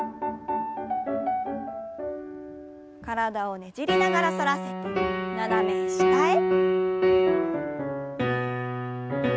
体をねじりながら反らせて斜め下へ。